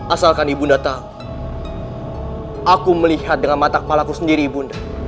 asalkan ibu datang aku melihat dengan mata kepala ku sendiri ibu